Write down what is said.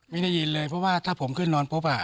ไม่ได้ยินเลยเพราะว่าถ้าผมขึ้นนอนปุ๊บ